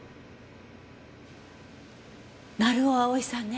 成尾蒼さんね。